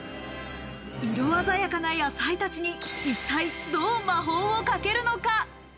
色鮮やかな野菜たちに一体どう魔法をかけるのか？